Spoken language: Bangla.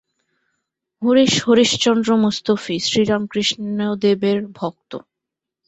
হরিশ হরিশচন্দ্র মুস্তফী, শ্রীরামকৃষ্ণদেবের ভক্ত।